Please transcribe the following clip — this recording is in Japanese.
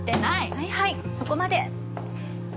はいはいそこまでふふっ。